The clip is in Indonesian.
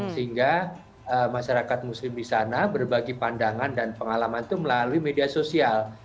sehingga masyarakat muslim di sana berbagi pandangan dan pengalaman itu melalui media sosial